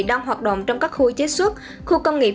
đang hoạt động trong các khu chế xuất khu công nghiệp